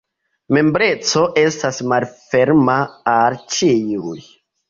Membreco estas malferma al ĉiuj.